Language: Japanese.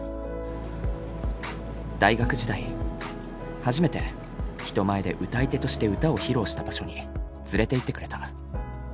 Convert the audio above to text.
大学時代初めて人前で歌い手として歌を披露した場所に連れていってくれた。